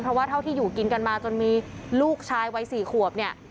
เพราะว่าเท่าที่อยู่กินกันมาจนมีลูกชายวัย๔ขวบเนี่ย